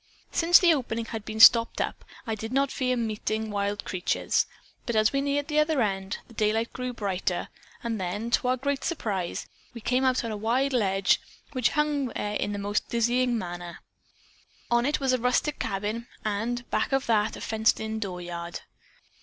Since the opening had been stopped up I did not fear meeting wild creatures, but as we neared the other end, the daylight grew brighter and then to our great surprise we came out upon a wide ledge which hung there in the most dizzying manner. On it was a rustic cabin, and back of that a fenced in dooryard.